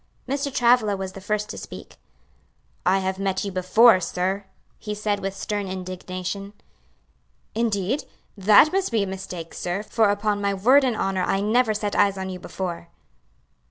Mr. Travilla was the first to speak. "I have met you before, sir!" he said with stern indignation. "Indeed! that must be a mistake, sir, for upon my word and honor I never set eyes on you before."